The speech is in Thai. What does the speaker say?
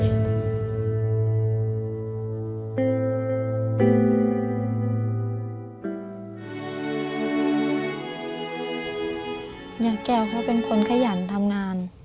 แก้วเขาเป็นคนขยันทำงาน